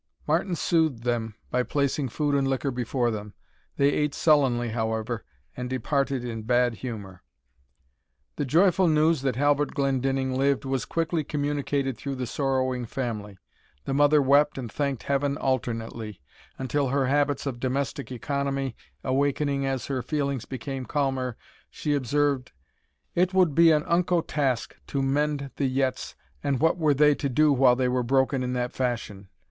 Martin soothed them by placing food and liquor before them. They ate sullenly, however, and departed in bad humour. The joyful news that Halbert Glendinning lived, was quickly communicated through the sorrowing family. The mother wept and thanked Heaven alternately; until her habits of domestic economy awakening as her feelings became calmer, she observed, "It would be an unco task to mend the yetts, and what were they to do while they were broken in that fashion?